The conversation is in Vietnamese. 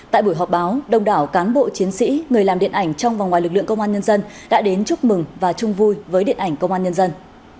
tại buổi họp báo đông đảo cán bộ chiến sĩ người làm điện ảnh trong và ngoài lực lượng công an nhân dân đã đến chúc mừng và chung vui với điện ảnh công an nhân dân